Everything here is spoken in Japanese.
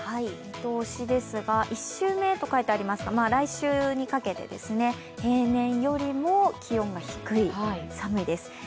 見通しですが、１週目と書いてありますが、来週にかけて平年よりも気温が低い、寒いです。